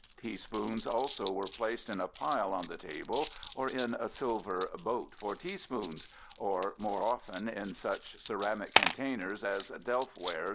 Teaspoons also were placed in a pile on the table or in a silver "Boat for Tea Spoons," or more often in such ceramic containers as "Delph Ware